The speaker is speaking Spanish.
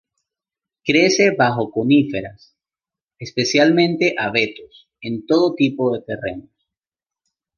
Crece bajo coníferas, especialmente abetos, en todo tipo de terrenos.